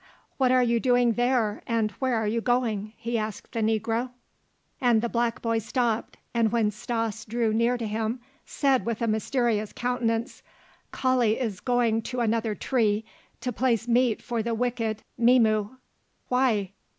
"What are you doing there, and where are you going?" he asked the negro. And the black boy stopped, and when Stas drew near to him said with a mysterious countenance: "Kali is going to another tree to place meat for the wicked Mzimu." "Why?"